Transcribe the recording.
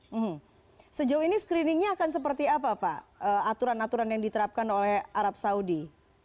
hmm sejauh ini screeningnya akan seperti apa pak aturan aturan yang diterapkan oleh arab saudi